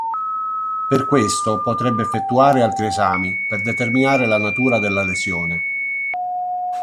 Per questo potrebbe effettuare altri esami per determinare la natura della lesione.